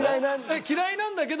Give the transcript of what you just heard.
嫌いなんだけど。